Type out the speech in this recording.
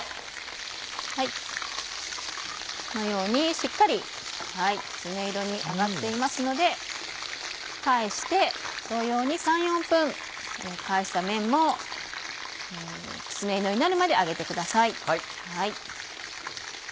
このようにしっかりきつね色に揚がっていますので返して同様に３４分返した面もきつね色になるまで揚げてください。